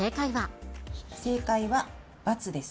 正解は×です。